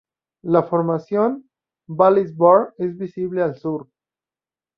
La formación Vallis Bohr es visible al sur.